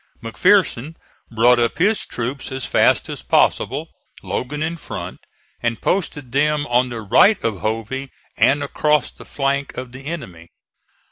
McPherson brought up his troops as fast as possible, Logan in front, and posted them on the right of Hovey and across the flank of the enemy.